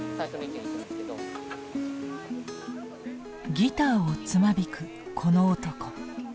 ギターをつま弾くこの男。